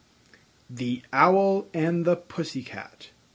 THE OWL AND THE PUSSY CAT.